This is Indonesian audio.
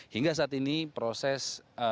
hingga saat ini proses acara halal bihal